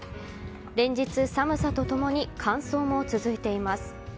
連日、寒さとともに乾燥も続いています。